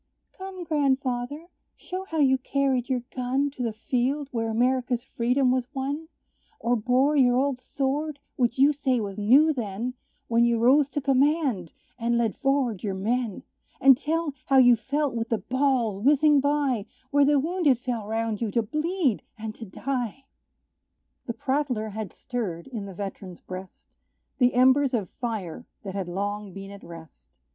"Come, grandfather, show how you carried your gun To the field, where America's freedom was won, Or bore your old sword, which you say was new then, When you rose to command, and led forward your men; And tell how you felt with the balls whizzing by, Where the wounded fell round you, to bleed and to die!" The prattler had stirred, in the veteran's breast, The embers of fire that had long been at rest.